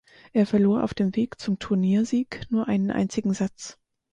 Er verlor auf dem Weg zum Turniersieg nur einen einzigen Satz.